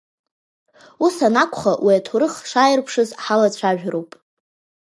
Ус анакәха, уи аҭоурых шааирԥшыз ҳалацәажәароуп.